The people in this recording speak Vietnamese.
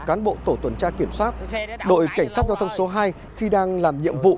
cán bộ tổ tuần tra kiểm soát đội cảnh sát giao thông số hai khi đang làm nhiệm vụ